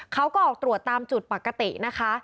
เขาก็ออกตรวจตามจุดปกตินะคะ